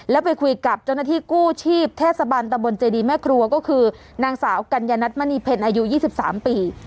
แล้วไปคุยกับเจ้าหน้าที่กู้ชีพเทศบันตะบนเจดีแม่ครัวก็คือนางสาวกัญญนัทมณีเพลอายุ๒๓ปี